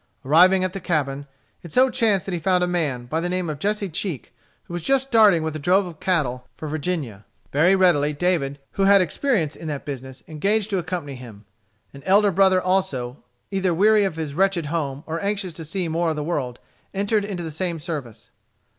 Arriving at the cabin, it so chanced that he found a man, by the name of Jesse Cheek, who was just starting with a drove of cattle for Virginia. Very readily, David, who had experience in that business, engaged to accompany him. An elder brother also, either weary of his wretched home or anxious to see more of the world, entered into the same service.